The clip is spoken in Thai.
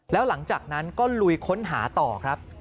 แล้วหลังจากนั้นก็ลุยค้นหาต่อครับ